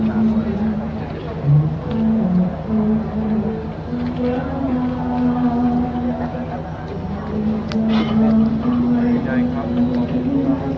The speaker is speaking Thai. การประโยชน์เดียวหรือแบบให้วัทธิ์พิโรค